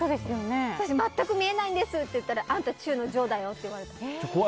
私、全く見えないんですって言ったらあんた、中の上だよって言われて。